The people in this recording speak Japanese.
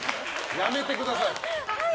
やめてください。